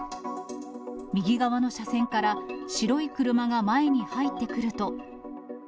右側の車線から白い車が前に入ってくると。